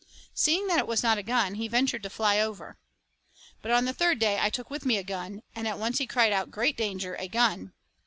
Seeing that it was not a gun, he ventured to fly over. But on the third day I took with me a gun, and at once he cried out, 'Great danger a gun.'